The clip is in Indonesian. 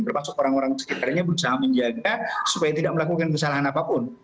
termasuk orang orang sekitarnya berusaha menjaga supaya tidak melakukan kesalahan apapun